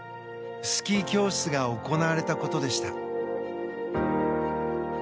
スキー教室が行われたことでした。